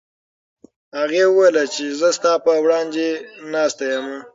هغې وویل چې زه ستا په وړاندې ناسته یم.